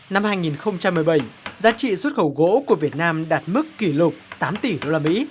năm hai nghìn một mươi bảy giá trị xuất khẩu gỗ của việt nam đạt mức kỷ lục tám tỷ usd